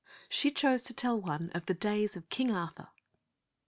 She chose to tell one of the days of King Arthur.